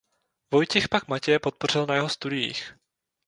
Vojtěch pak Matěje podpořil na jeho studiích.